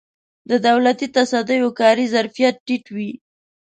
د دولتي تصدیو کاري ظرفیت ټیټ وي.